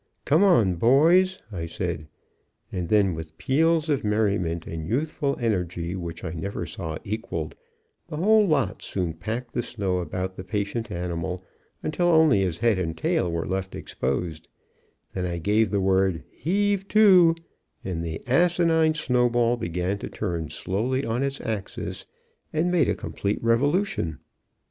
"Come on, boys," I said. And then with peals of merriment and youthful energy which I never saw equalled, the whole lot soon packed the snow about the patient animal, until only his head and tail were left exposed; then I gave the word "heave to," and the asinine snowball began to turn slowly on its axis, and made a complete revolution.